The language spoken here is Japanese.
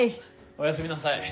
おやすみなさい。